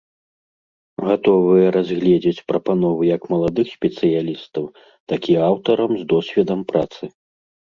Гатовыя разгледзець прапановы як маладых спецыялістаў, так і аўтараў з досведам працы.